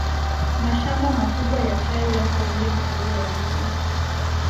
Mashamba makubwa ya chai yapo nje kidogo ya mji.